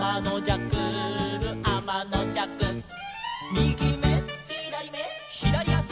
「みぎめ」「ひだりめ」「ひだりあし」